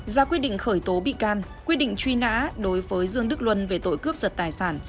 ra quyết định khởi tố bị can quyết định truy nã đối với dương đức luân về tội cướp giật tài sản